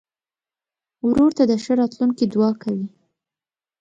ورور ته د ښه راتلونکي دعا کوې.